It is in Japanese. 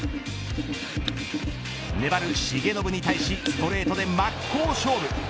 粘る重信に対しストレートで真っ向勝負。